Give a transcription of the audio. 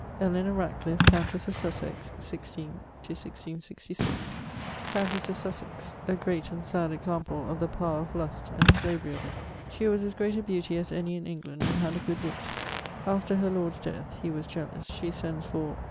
=Eleanor Ratcliffe=, Countess of Sussex (16 1666). Countesse of Sussex: a great and sad example of the power of lust and slavery of it. She was as great a beatie as any in England and had a good witt. After her lord's death (he was jealous) she sends for